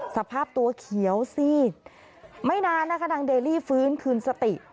สภาพตัวเขียวซีดไม่นานนะคะนางเดลี่ฟื้นคืนสติ